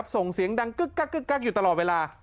ส่งเสียงดังกึ๊กอยู่ตลอดเวลา